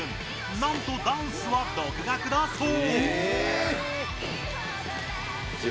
なんとダンスは独学だそう。